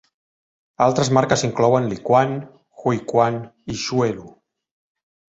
Altres marques inclouen Liquan, Huiquan i Xuelu.